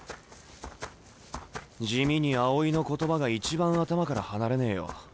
地味に青井の言葉が一番頭から離れねえよ。